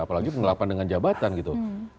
apalagi penggelapan dengan jabatan gitu